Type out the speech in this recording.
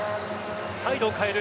サイドを変える。